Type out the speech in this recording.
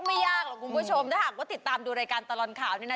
ไม่ยากหรอกคุณผู้ชมถ้าหากว่าติดตามดูรายการตลอดข่าวนี่นะ